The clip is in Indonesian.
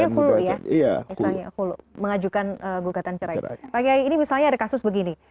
islanya kulu ya iya mengajukan gugatan cerai pak kiai ini misalnya ada kasus begini